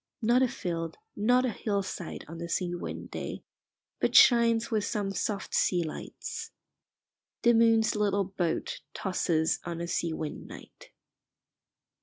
Not a field, not a hillside, on a sea wind day, but shines with some soft sea lights. The moon's little boat tosses on a sea wind night.